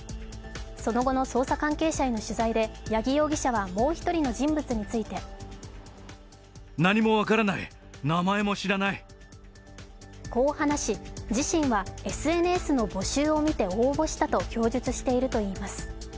その後の捜査関係者への取材で、八木容疑者はもう一人の人物についてこう話し、自身はＳＮＳの募集を見て応募したと供述しているといいます。